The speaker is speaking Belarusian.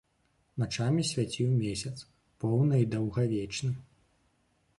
Начамі свяціў месяц, поўны і даўгавечны.